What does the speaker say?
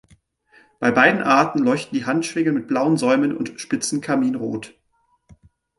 Bei beiden Arten leuchten die Handschwingen mit blauen Säumen und Spitzen karminrot.